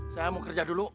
saya mau kerja dulu